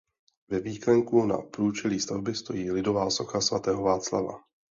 Ve výklenku na průčelí stavby stojí lidová socha svatého Václava.